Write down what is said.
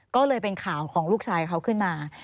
ก็เลยเป็นข่าวของลูกชายเขาขึ้นมา